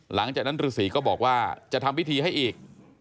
หลังจากนั้นฤษีก็บอกว่าจะทำพิธีให้อีก